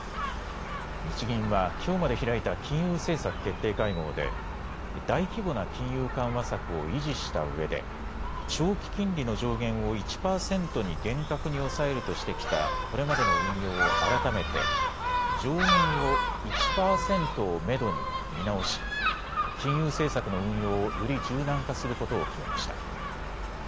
日銀はきょうまで開いた金融政策決定会合で大規模な金融緩和策を維持したうえで長期金利の上限を１％に厳格に抑えるとしてきたこれまでの運用を改めて上限を１％をめどに見直し金融政策の運用をより柔軟化することを決めました。